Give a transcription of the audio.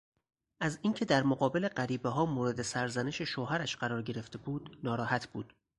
از اینکه در مقابل غریبهها مورد سرزنش شوهرش قرار گرفته بود ناراحت بود.